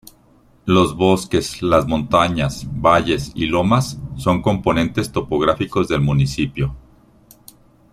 Los bosques, las montañas, valles y lomas son componentes topográficos del municipio.